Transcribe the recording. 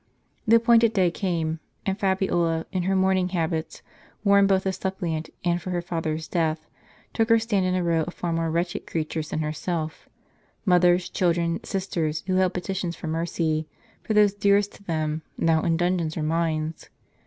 The appointed day came ; and Fabiola, in her mourning habits, worn both as a suppliant, and for her father's death, took her stand in a row of far more wretched creatures than herself, mothers, children, sisters, who held petitions for mercy, for those dearest to them, now in dungeons or mines.